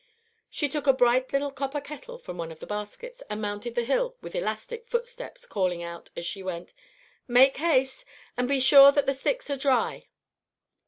She took a bright little copper kettle from one of the baskets, and mounted the hill with elastic footsteps, calling out, as she went, "Make haste, and be sure that the sticks are dry."